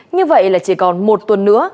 như vậy là chỉ còn một tuần nữa